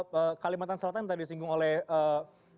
oke kalau di ini kalimantan selatan tadi singgung oleh steloney